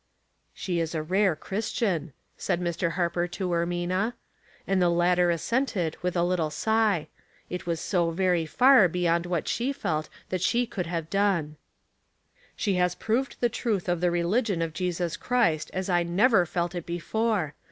" She is a rare Christian," said Mr. Harper to Ermina. And the latter assented with a little sigh — it was so very far beyond what she felt that she could have ^(^'^c "She has proved tiio truth of the religion of Jesus Christ as I never ic't it before.